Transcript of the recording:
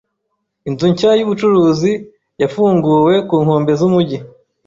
Inzu nshya yubucuruzi yafunguwe ku nkombe zumujyi.